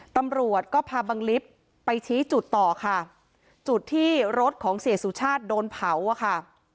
ตำรวจก็พาบังลิฟต์ไปชี้จุดต่อค่ะจุดที่รถของเสียสุชาติโดนเผาอะค่ะ